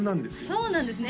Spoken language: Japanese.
そうなんですね